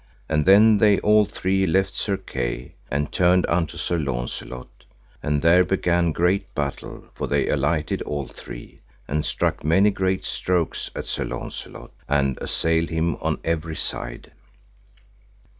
And then they all three left Sir Kay, and turned unto Sir Launcelot, and there began great battle, for they alighted all three, and struck many great strokes at Sir Launcelot, and assailed him on every side.